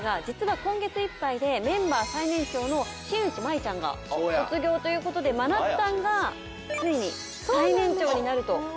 実は今月いっぱいでメンバー最年長の新内眞衣ちゃんが卒業ということでまなったんがついに最年長になると。